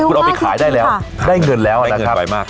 เป็นความที่ใช่ได้แล้วได้เงินแล้วนะคะได้เงินไวมาก